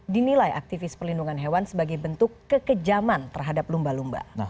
dinilai aktivis perlindungan hewan sebagai bentuk kekejaman terhadap lumba lumba